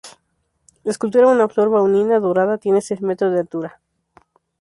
La escultura, una flor bauhinia dorada, tiene seis metros de altura.